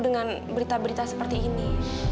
dengan berita berita seperti ini